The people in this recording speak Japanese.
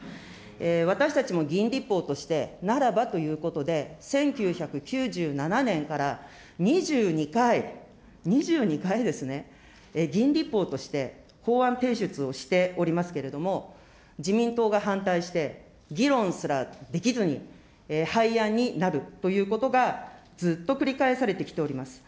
私たちも議員立法として、ならばということで、１９９７年から２２回、２２回ですね、議員立法として法案提出をしておりますけれども、自民党が反対して、議論すらできずに、廃案になるということが、ずっと繰り返されてきております。